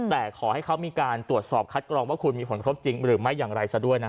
แต่ขอให้เขามีการตรวจสอบคัดกรองว่าคุณมีผลกระทบจริงหรือไม่อย่างไรซะด้วย